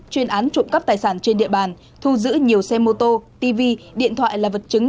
chuyên án trộm cắp tài sản trên địa bàn thu giữ nhiều xe mô tô tv điện thoại là vật chứng